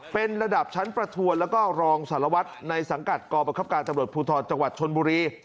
เป็นระดับชั้นประทวนแล้วก็รองสารวัตรในสังกัดกรประคับการตำรวจภูทรจังหวัดชนบุรี